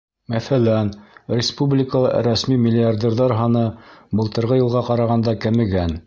Мәҫәлән, республикала рәсми миллиардерҙар һаны былтырғы йылға ҡарағанда кәмегән.